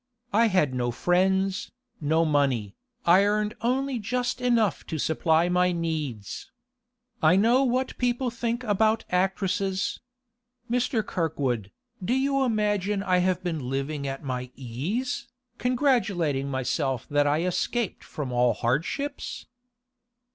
I had no friends, no money. I earned only just enough to supply my needs. I know what people think about actresses. Mr. Kirkwood, do you imagine I have been living at my ease, congratulating myself that I had escaped from all hardships?